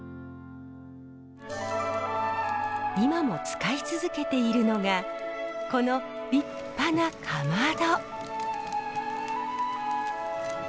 今も使い続けているのがこの立派なかまど。